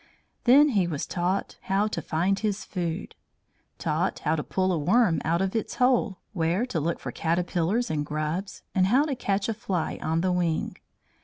Then he was taught how to find his food taught how to pull a worm out of its hole, where to look for caterpillars and grubs, and how to catch a fly on the wing.